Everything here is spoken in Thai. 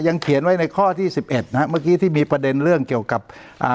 เขียนไว้ในข้อที่สิบเอ็ดนะฮะเมื่อกี้ที่มีประเด็นเรื่องเกี่ยวกับอ่า